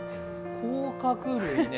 甲殻類ね。